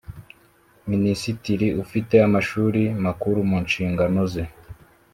minisitiri ufite amashuri makuru mu nshingano ze